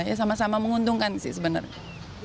ya sama sama menguntungkan sih sebenarnya